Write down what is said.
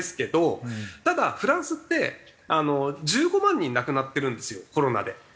ただフランスって１５万人亡くなってるんですよコロナで。